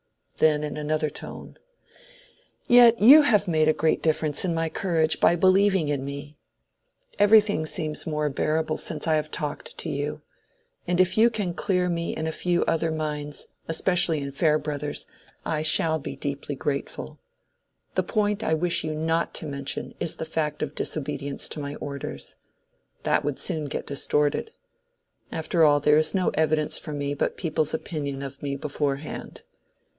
Then, in another tone, "Yet you have made a great difference in my courage by believing in me. Everything seems more bearable since I have talked to you; and if you can clear me in a few other minds, especially in Farebrother's, I shall be deeply grateful. The point I wish you not to mention is the fact of disobedience to my orders. That would soon get distorted. After all, there is no evidence for me but people's opinion of me beforehand.